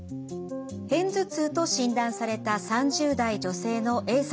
片頭痛と診断された３０代女性のＡさんです。